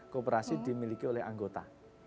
kooperasi dimiliki oleh anggota